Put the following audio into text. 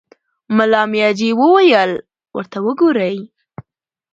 ملا مياجي وويل: ورته وګورئ!